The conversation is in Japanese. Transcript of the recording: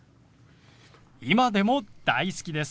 今でも大好きです。